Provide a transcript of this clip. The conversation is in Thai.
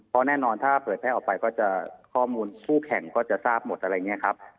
เพราะแน่นอนถ้าเผยแพร่ออกไปก็จะข้อมูลคู่แข่งก็จะทราบหมดอะไรอย่างนี้ครับ